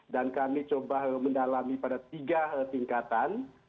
dan kami coba mendalami pada tiga tingkatan